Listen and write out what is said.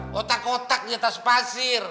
botak botak di atas pasir